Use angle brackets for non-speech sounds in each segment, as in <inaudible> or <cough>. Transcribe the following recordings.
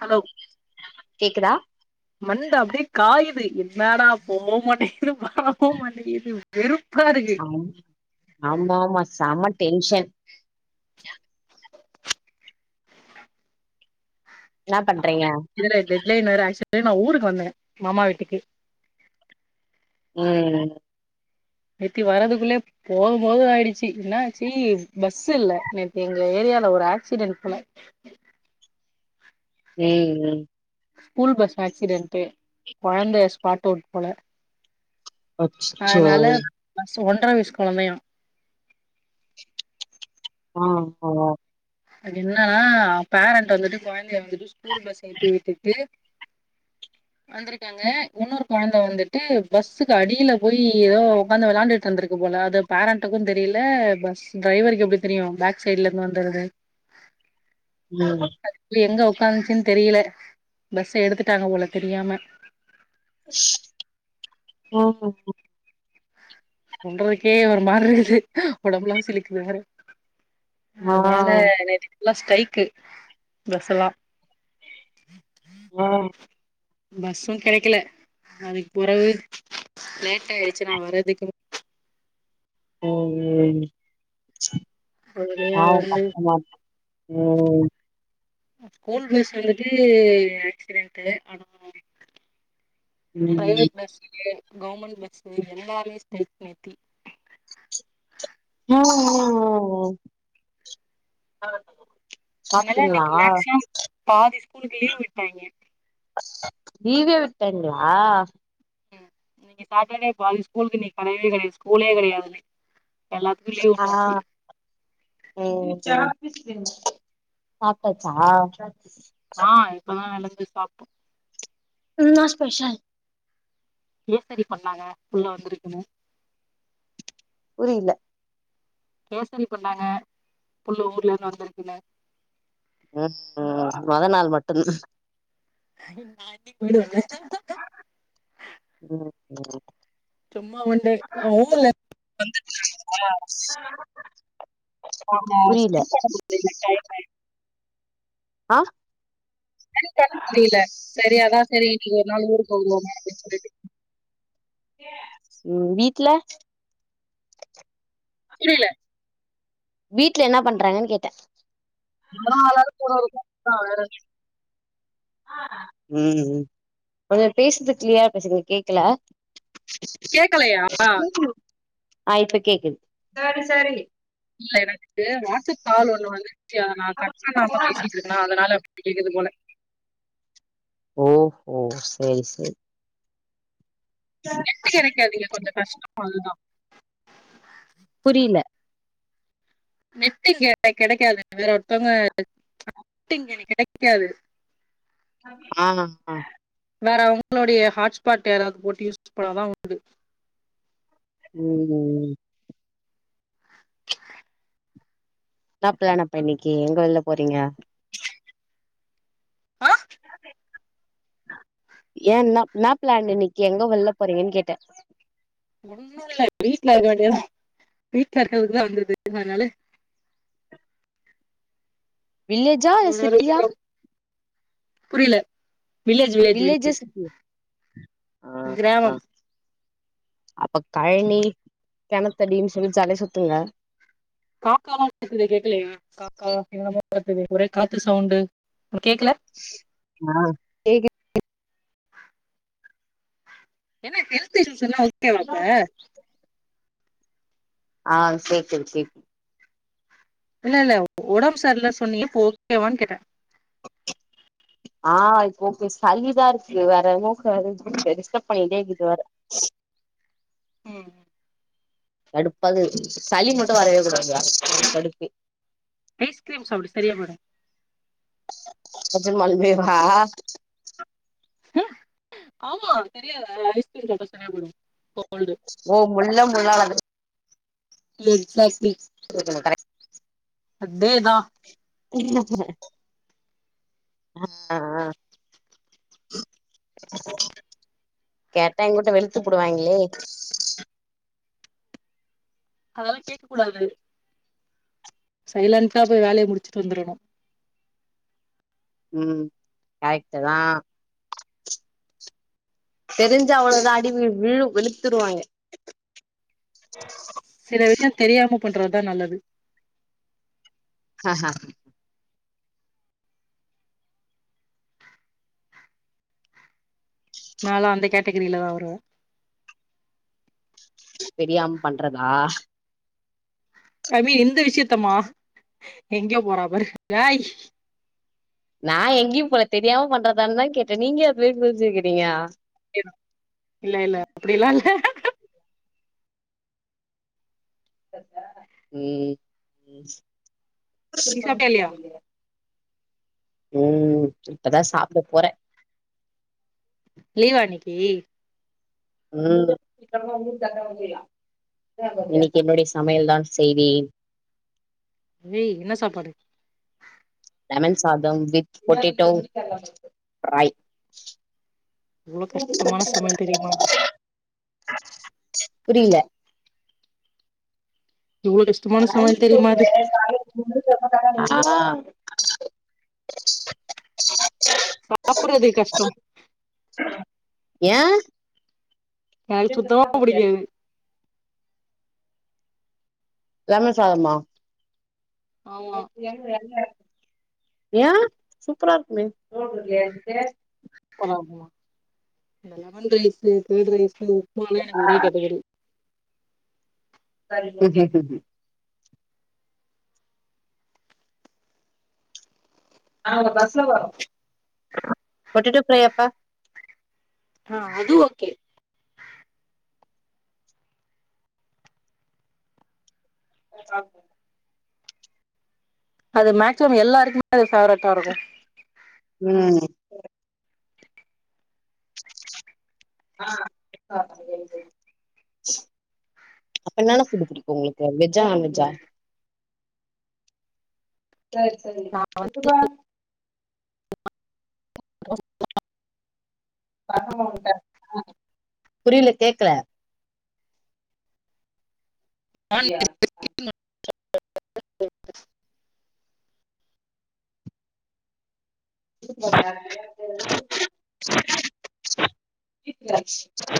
Hello கேக்குதா மண்ட அப்டியே காயுது என்னடா போவவு மாட்டங்குது வரவு மாட்டேங்குது வெறுப் ஆ ஆமா ஆமா செம டென்ஷன் என்னா பண்றீங்க இதுல டெட்லைன் வேற ஆக்சுவலி நா ஊருக்கு வந்த மாமா வீட்டுக்கு ம் நேத்தி வரதுக்குலே போதுபோதுனு ஆயிடுச்சு என்ன ஆச்சு பஸ் இல்ல நேத்தி எங்க ஏரியால ஒரு ஆக்சிடென்ட் போல ம் ம் ஸ்கூல் பஸ் ஆக்சிடென்டு கொழந்த ஸ்பாடவுட் போல அச்சச்சோ அதனால பஸ் ஒன்ற வயசு கொழந்தையா ஆ ஆமா அதுக் என்னன்ன அவங்க பேரண்ட் வந்துட்டு கொழந்தய வந்துட்டு ஸ்கூல் பஸ்ஸ ஏத்தி விட்டுட்டு வந்துரு க்காங்க இன்னொரு கொழந்த வந்துட்டு பஸ்ஸுக்கு அடியில போய் ஏதோ உக்காந்து விளாண்டுட்டு இருந்திருக்கு போல அத பேரண்ட்டுக்கு தெரியல பஸ் டிரரைவருக்கு எப்டி தெரியு பேக் சைட்ல இருந்து வந்தது ம் எங்க உக்காந்துச்சின்னு தெரியல பஸ் எடுத்துட்டாங்க போல தெரியாம ஆ ஆ ஆ சொல்றக்கே ஒரு மாரி இருக்குது ஒடம்புலா சிலிக்குது ஆ அதனால நேத்து எல்லா ஸ்டைக்கு பஸ்ஸெல்லா ஆ பஸ்ஸு கெடைக்கல அதுக்கு பொறவு லேட் ஆயிடுச்சு நா வர்றதுக்கு <unintelligible> ஒரு வழியா பாவோ வந்து கஷ்டமா இருக்கு ம் ஸ்கூல் பஸ் வந்துட்டு ஆக்சிடென்ட்டு <inaudible> ம் ம் பிரைவேட் பஸுங்க கவர்மெண்ட் பஸு எல்லாமே ஸ்ட்ரைக் நேத்தி ம் ம் ம் அ அதனால இன்னைக்கு மேக்சிமம் பாதி ஸ்கூலுக்கு லீவ் விட்டாய்ங்க லீவே விட்டாய்ங்களா இன்னைக்கு சாட்டர்டே பாதி ஸ்கூலுக்கு நீ கடயவே கடையாது ஸ்கூலே கெடையாது எல்லாத்துக்கு லீவ் ஆ விட்டாச்சு ம் சாப்டாச்சா ஆ இப்பதா <unintelligible> சாப்டோ இன்னா ஸ்பெஷல் என்னடி பண்ணாங்க புள்ள வந்திருக்குன்னு புரில கேசரி பண்ணாங்க புள்ள ஊர்ல இருந்து வந்திருக்குன்னு ம் ம் மொத நாள் மட்டு தா நா இன்னைக்கு போய்டுவே ம் ம் சும்மா ஒண்டே ஊர்ல இருந்து வந்துருந்தாங்களா புரியல <unintelligible> ஆ என் <inaudible> புரியல சரி அதா சரி இன்னைக்கு ஒரு நாள் ஊர் போவோமே அப்டின் சொல்லிட்டு ம் வீட்ல இவ இல்ல வீட்ல என்னா பண்றாங்கன் கேட்ட நம்ளா ஆள் ஆளாளுக்கு ஒரு ஒரு <unintelligible> ம் கொஞ்ச பேசுறது கிளியரா பேசுங்க கேக்கல கேட்கலையா ஆ இப்ப கேக்குது இல்ல எனக்கு வாட்ஸ்அப் கால் ஒன்னு வந்து நாப்ப்ப கட் பண்ணாம பேசிட்டு இருக் நா அதனாலப்ஸ் அப்படிய் கேக்குது போல ஓஹோ ஓ செய் செய் நெட்டு கெடைக்காது கொஞ்ச கஷ்டோ அதுதா புரில்ல நெட்டு இங்க கெடைக்காது வேற ஒருத்தவங்க நெட்டு இங்க கெடைக்காது ஆ ஆ வேற அவங்களுடைய ஹாட்ஸ்பாட் யாராவது போட்டு யூஸ் பண்ணாதா உண்டு ம் ம் சாப்பில்லானா இப்ப இன்னைக்கி எங்க வெள்ல போறங்க ஆ? ஏனா நா என்னா பிளான்னு இன்னைக்கி எங்க வெள்ள போறங்கன் கேட்ட ஒன்னு இல்ல வீட்ல இருக்க வேண்டியா வீட்ல இருக்கறதுக்குதா வந்துருக்க அதனால வில்லேஜா உன்னோட சிட்டியா வீட்ல புரியல வில்லேஜ் சிட்டியா ஆ கிராமம் அப்ப கழனி கிணத்தடினு சொல்லி ஜால சுத்துங்க காக்காவா கத்து கேக்கலையா காக்கா என்னமா கத்துது ஒரே காத்து சவுண்டு உனக் கேக்கல ஆ கேக்குது ஏனா ஹெல்த் இஷ்யூஸ்ல்லா ஓகேவாப்ப ஆ சேரி சேரி பிப் இல்ல இல்ல உடம்பு சர்லன்னு சொன்னேயே இப்ப ஓகேவான்னு கேட்ட ஆ இப்ப ஓகே சளிதா இருக்கு வேற என்னமோ கெடையாது பெருசா பண்ணிட்டே இருக்குது அத ம் ம் தடுப்பாது சளி மட்டும் வரவே கூடாதுயா தடுப்பு பிஸ்கிரீம் சாப்பிடு சரியாபோய்டு நெஜமாலுமே வா அ ஆமா தெரியாது ஐஸ்க்ரீம் சாப்டா சரியா போய்டு ஒ கோல்டு ஓ முள்ள முள்ளாலதா எக்ஸாக்ட்லி <unintelligible> அதே இதுதா குங்கும பூவ அ ஆ ஆ கேட்டா எங்யுட்டல வெளுத்து புடுவாங்ளே அதலா கேக்க கூடாது சைலண்டா போய் வேலய முடிச்சிட்டு வந்துரணு உம் கரெக்டுதா தெரிஞ்சா அவ்ளதா அடி விழு விழு வெளுத்துருவாங்க சில விஷ்யோத் தெரியாம பண்றத்தா நல்லது அ ஆ நாலு அந்த கேட்டகிரிலதா வருவே பெரியாம் பண்றதா அமீ எந்த விஷ்யத்தமா எங்யோ போறா பாரு ஏய் நா எங்யும் போல தெரியாம பண்றதான்தா கேட்டே நீங்க ஏ அத் மேரி <unintelligible> இல்ல இல்ல அப்டிலா இல்ல நீ சாப்ட்டியா இல்லையா ம் ம் இப்பதா சாப்ட போறே லீவா இன்னக்கி ம் இன்னைக்கு என்னோடைய சமையல்தான் செய்வேன் வே என்ன சாப்பாடு லெமன் சாதம் வித் பொட்டேட்டோ ஃபிரை இவ்ளோ கஷ்டமான சமையல் தெரியுமா புரில இவ்ளோ கஷ்டமான சமையல் தெரியுமா அது ஆ சாப்புறது கஷ்டோ ஏ எனக்கு சுத்தமா புடிக்காது லெமன் சாதமா ஆமா ஏ சூப்பரா இருக்குமே பறம்மா இந்த லெமன் ரைஸு கேர்டு ரைஸு உப்மாலா எனக்கு ஒரே கேட்டகரி இப்ப கேக்குது நாங்க பஸ்ல வரோ ஆ அது ஓகே <unintelligible> அது மேக்சிமம் எல்லாருக்குமே அது பேவரட்டாருகு ம் ஆ <unintelligible> அப்ப என்னாலா ஃபுட்டு புடிக்கு உங்ளுக்கு வெஜ்ஜா நான்வெஜ்ஜா சரி சரி சுத்தபா புரில கேக்கல <unintelligible> <unintelligible>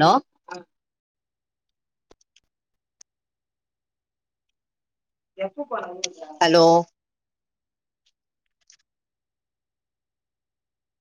நோ ஹலோ